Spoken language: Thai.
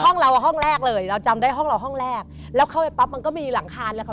ห้องเราห้องแรกเลยเราจำได้ห้องเราห้องแรกแล้วเข้าไปปั๊บมันก็มีหลังคาแล้วค่ะ